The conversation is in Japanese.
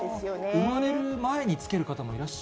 生まれる前に付ける方もいら